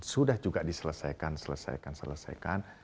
sudah juga diselesaikan selesaikan selesaikan